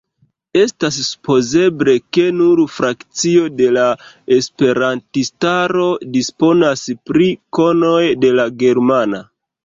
Estas supozeble, ke nur frakcio de la esperantistaro disponas pri konoj de la germana.